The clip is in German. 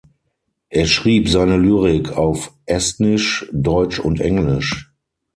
Er schrieb seine Lyrik auf Estnisch, Deutsch und Englisch.